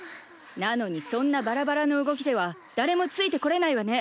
なのにそんなバラバラの動きでは誰もついてこれないわね。